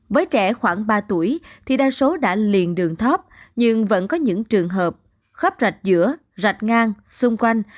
với trẻ khoảng ba tuổi thì đa số đã liền đường thóp nhưng vẫn có những trường hợp khóp rạch giữa rạch ngang xung quanh